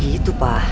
bukan gitu pa